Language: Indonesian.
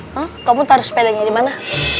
bang kamu taruh sepedanya di mana